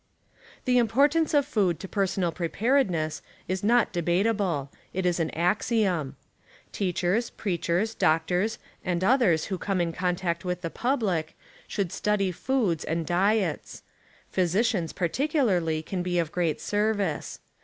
The importance of food to personal preparedness is not de batable; it is an axiom. Teachers, preachers, doctors and otliers who come in contact with the public should study foods and diets ; physicians particularly can be of great service.